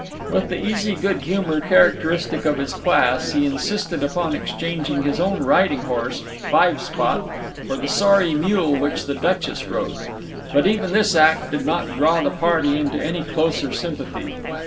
With the easy good humor characteristic of his class, he insisted upon exchanging his own riding horse, "Five Spot," for the sorry mule which the Duchess rode. But even this act did not draw the party into any closer sympathy.